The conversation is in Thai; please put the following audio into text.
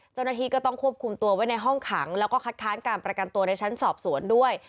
เจ้าหน้าที่ก็ต้องควบคุมตัวไว้ในห้องขังแล้วก็คัดค้านการประกันตัวในชั้นสอบสวนด้วย